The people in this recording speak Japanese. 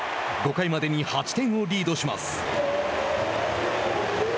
５回までに８点をリードします。